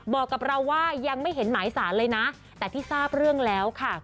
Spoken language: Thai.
บอกกับเราว่ายังไม่เห็นหมายสารเลยนะแต่ที่ทราบเรื่องแล้วค่ะ